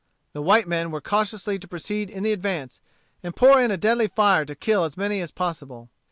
The white men were cautiously to proceed in the advance, and pour in a deadly fire to kill as many as possible.